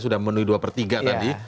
sudah memenuhi dua per tiga tadi